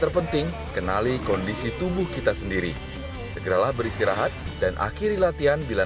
terpenting kenali kondisi tubuh kita sendiri segeralah beristirahat dan akhiri latihan bila